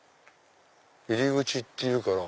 「入口」っていうから。